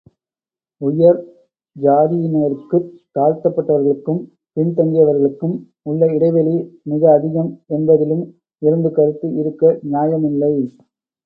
உயர் சாதியினருக்குத் தாழ்த்தப்பட்டவர்களுக்கும் பின் தங்கியவர்களுக்கும் உள்ள இடைவெளி மிக அதிகம் என்பதிலும் இரண்டு கருத்து இருக்க நியாயமில்லை.